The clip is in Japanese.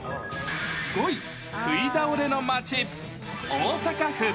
５位、食い倒れの街、大阪府。